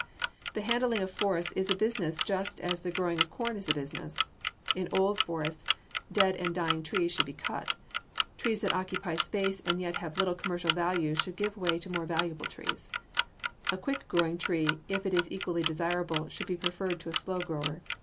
[Illustration: FIG. 223. WOOD LOT After proper treatment] The handling of forests is a business just as the growing of corn is a business. In old forests, dead and dying trees should be cut. Trees that occupy space and yet have little commercial value should give way to more valuable trees. A quick growing tree, if it is equally desirable, should be preferred to a slow grower.